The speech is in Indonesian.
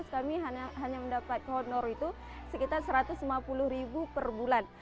dua ribu lima belas kami hanya mendapat honor itu sekitar satu ratus lima puluh ribu per bulan